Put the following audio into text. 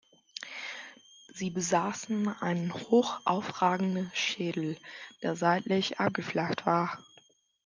Sie besaßen einen hoch aufragenden Schädel, der seitlich abgeflacht war.